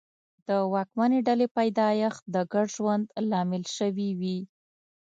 د واکمنې ډلې پیدایښت د ګډ ژوند لامل شوي وي.